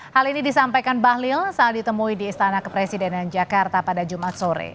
hal ini disampaikan bahlil saat ditemui di istana kepresidenan jakarta pada jumat sore